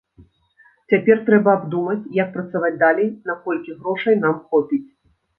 Цяпер трэба абдумаць як працаваць далей, наколькі грошай нам хопіць.